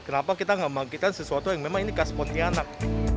kenapa kita nggak membangkitkan sesuatu yang memang ini khas pontianak